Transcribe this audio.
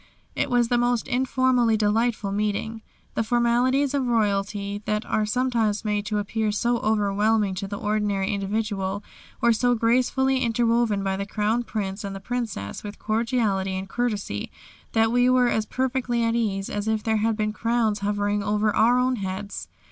It was the most informally delightful meeting. The formalities of royalty that are sometimes made to appear so overwhelming to the ordinary individual, were so gracefully interwoven by the Crown Prince and the Princess with cordiality and courtesy, that we were as perfectly at ease, as if there had been crowns hovering over our own heads.